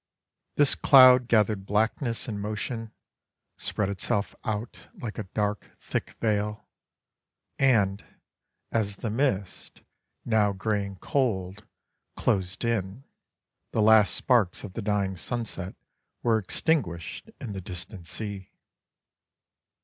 This cloud gathered blackness and motion, spread itself out, like a dark thick veil, and, as the mist, now grey and cold, closed in, the last sparks of the dying sunset were extinguished in the distant sea.